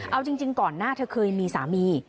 เอาจริงก่อนหน้าเธอเคยมีสามี